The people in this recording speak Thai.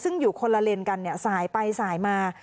ซึ่งอยู่คนละเลนกันสายไปสายมา